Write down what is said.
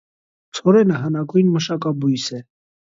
Ցորենը հնագույն մշակաբույս է։